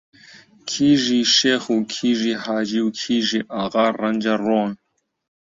کیژی شێخ و کیژی حاجی و کیژی ئاغا ڕەنجەڕۆن